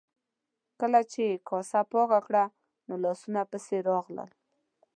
کله چې یې کاسه پاکه کړه نو لاسونو پسې راغلل.